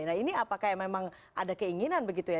nah ini apakah memang ada keinginan begitu ya